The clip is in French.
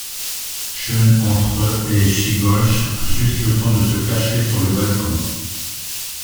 Schön entre et Schigolch a juste le temps de se cacher sur le balcon.